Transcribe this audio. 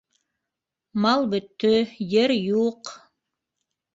Мал бөттө, ер юҡ...